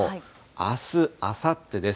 あす、あさってです。